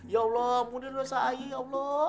ya allah ampunilah dosa ayah ya allah